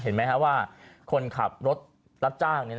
เห็นไหมครับว่าคนขับรถรับจ้าง